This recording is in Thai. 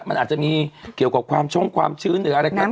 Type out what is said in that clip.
มันอาจจะมีเกี่ยวกับความช้องความชื้น